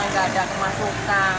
gak ada kemasukan